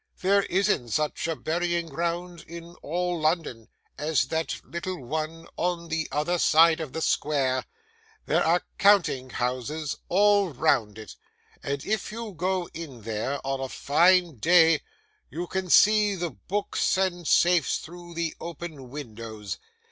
There isn't such a burying ground in all London as that little one on the other side of the square there are counting houses all round it, and if you go in there, on a fine day, you can see the books and safes through the open windows.